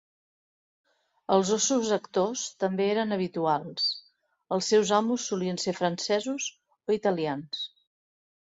Els óssos actors també eren habituals; els seus amos solien ser francesos o italians.